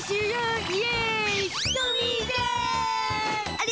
あれ？